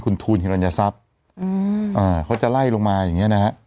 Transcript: มีคุณทูลเฮียรัญญาทรัพย์อ่าเขาจะไล่ลงมาอย่างเงี้ยนะฮะ